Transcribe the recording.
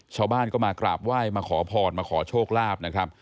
ชาวบ้านก็มากราบไหว้มาขอพรมาขอโชคลาภนะครับ